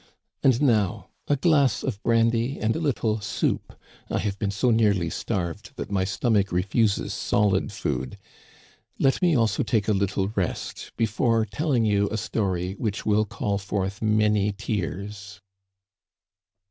And now, a glass of brandy and a little soup. I have been so nearly starved that my stomach refuses solid food. Let me also take a little rest before telling you a story which will call forth many tears."